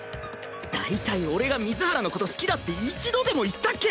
だいたい俺が水原のこと好きだって一度でも言ったっけ